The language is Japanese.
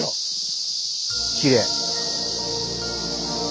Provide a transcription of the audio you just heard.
きれい！